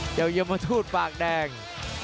ยาวยึมมาทูลปากแดง